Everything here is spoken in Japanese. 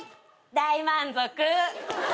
大満足。